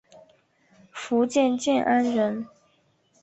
福建建安人。